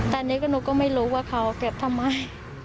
ตอนนี้หนูก็ไม่รู้ว่าเขาเก็บทำไม